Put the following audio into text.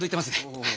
おお。